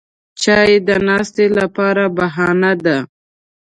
چای د ناستې لپاره بهانه ده